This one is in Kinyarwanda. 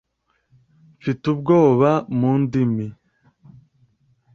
Mfite ubwoba mu ndimi.